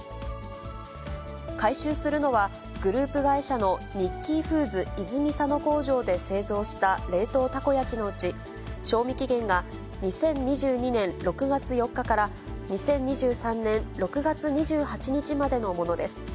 回収するのは、グループ会社のニッキーフーズ泉佐野工場で製造した冷凍たこ焼きのうち、賞味期限が２０２２年６月４日から２０２３年６月２８日までのものです。